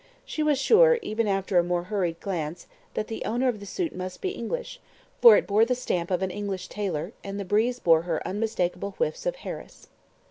She was sure, even after a mere hurried glance, that the owner of the suit must be English, for it bore the stamp of an English tailor, and the breeze bore her unmistakable whiffs of "Harris."